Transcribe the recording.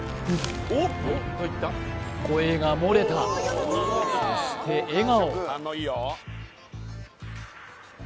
声がもれたそして笑顔